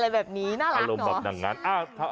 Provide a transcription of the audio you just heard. อะไรแบบนี้น่ารักเนาะ